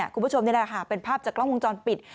คุณผู้ชมนี่แหละค่ะเป็นภาพจากกล้องวงจรปิด